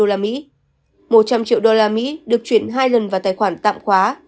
một trăm linh triệu usd được chuyển hai lần vào tài khoản tạm khóa